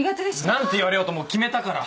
何て言われようともう決めたから。